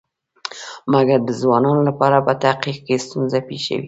مګر د ځوانانو لپاره په تحقیق کې ستونزه پېښوي.